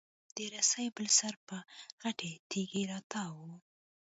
د رسۍ بل سر په غټې تېږي راتاو و.